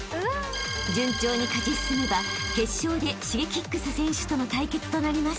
［順調に勝ち進めば決勝でＳｈｉｇｅｋｉｘ選手との対決となります］